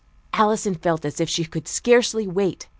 Alison felt as if she could scarcely wait.